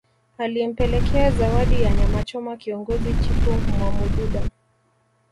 Alimpelekea zawadi ya nyamachoma kiongozi Chifu Mwamududa